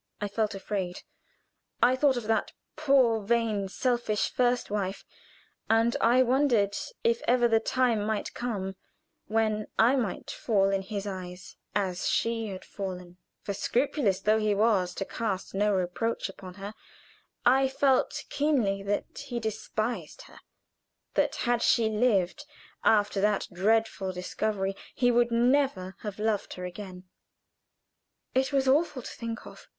I felt afraid. I thought of that poor, vain, selfish first wife, and I wondered if ever the time might come when I might fall in his eyes as she had fallen, for scrupulous though he was to cast no reproach upon her, I felt keenly that he despised her, that had she lived, after that dreadful discovery he would never have loved her again. It was awful to think of.